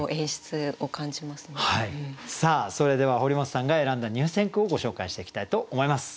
それでは堀本さんが選んだ入選句をご紹介していきたいと思います。